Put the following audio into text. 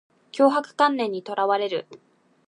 強迫観念にとらわれる